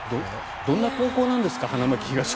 どんな高校なんですか花巻東。